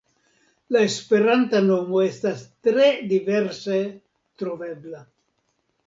La esperanta nomo estas tre diverse trovebla.